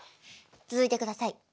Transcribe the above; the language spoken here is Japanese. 続いてください。